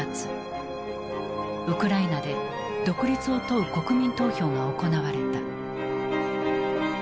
ウクライナで独立を問う国民投票が行われた。